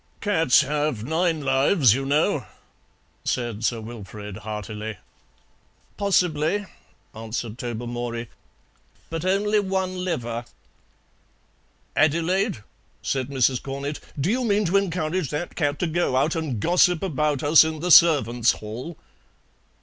"Cats have nine lives, you know," said Sir Wilfrid heartily. "Possibly," answered Tobermory; "but only one liver." "Adelaide!" said Mrs. Cornett, "do you mean to encourage that cat to go out and gossip about us in the servants' hall?"